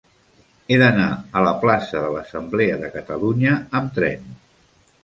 He d'anar a la plaça de l'Assemblea de Catalunya amb tren.